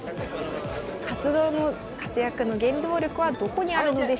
活動の活躍の原動力はどこにあるんでしょうか？